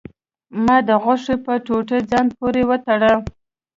ما د غوښې په ټوټه ځان پورې وتړه.